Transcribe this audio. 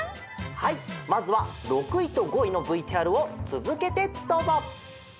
はいまずは６いと５いのＶＴＲをつづけてどうぞ！